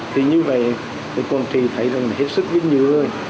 thì như vậy thì quảng trị thấy rằng là hết sức biết nhớ rồi